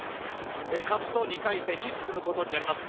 勝つと２回戦に進むことになります